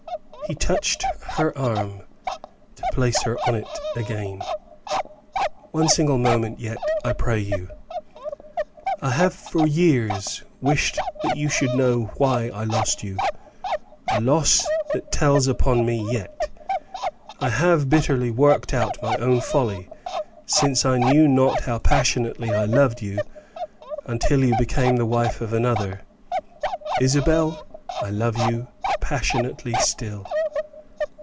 He touched her arm to place her on it again. "One single moment yet, I pray you. I have for years wished that you should know why I lost you a loss that tells upon me yet. I have bitterly worked out my own folly since I knew not how passionately I loved you until you became the wife of another. Isabel, I love you passionately still."